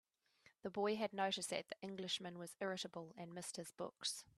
The boy had noticed that the Englishman was irritable, and missed his books.